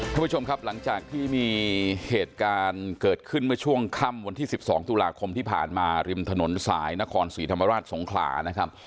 ท่านผู้ชมครับหลังจากที่มีเหตุการณ์เกิดขึ้นเมื่อช่วงค่ำวันที่๑๒ตุลาคมที่ผ่านมาริมถนนสายนครศรีธรรมราชสงขลานะครับ